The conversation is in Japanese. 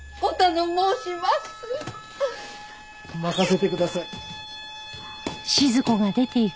任せてください。